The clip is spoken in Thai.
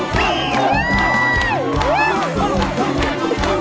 คุณยาวร้องได้